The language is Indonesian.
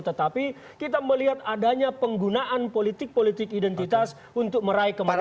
tetapi kita melihat adanya penggunaan politik politik identitas untuk meraih kemanusia